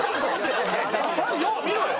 ちゃんとよう見ろよ？